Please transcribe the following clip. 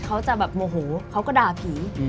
เขาจะแบบโมโหเขาก็ด่าผี